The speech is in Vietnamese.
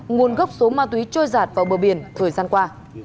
nguồn gốc số ma túy trôi giạt vào bờ biển thời gian qua